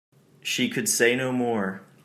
She could say no more.